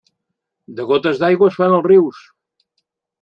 De gotes d'aigua es fan els rius.